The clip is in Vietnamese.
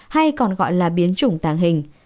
hay còn gọi là biến chủng tàng hình